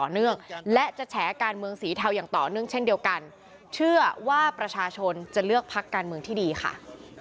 เหมือนเดิมว่าจะเดินหน้า